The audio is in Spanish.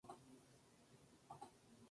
Su puesto fue ocupado por Ana Ibáñez.